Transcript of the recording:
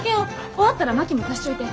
終わったらまきも足しちょいて。